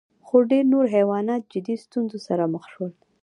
خو ډېر نور حیوانات جدي ستونزو سره مخ شول.